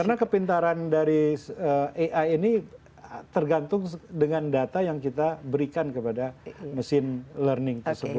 karena kepintaran dari ai ini tergantung dengan data yang kita berikan kepada mesin learning tersebut